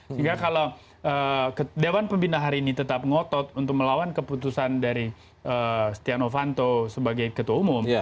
sehingga kalau dewan pembina hari ini tetap ngotot untuk melawan keputusan dari setia novanto sebagai ketua umum